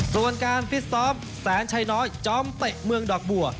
ส่วนการฟิตซ้อมแสนชัยน้อยจอมเตะเมืองดอกบัว